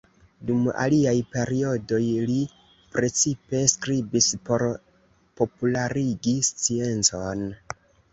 Dum aliaj periodoj li precipe skribis por popularigi sciencon.